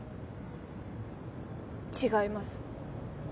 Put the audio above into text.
違います